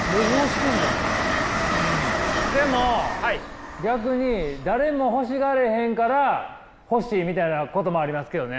でも逆に誰も欲しがれへんから欲しいみたいなこともありますけどね。